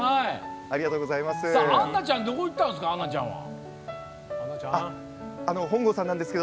杏奈ちゃん、どこ行ったんですか。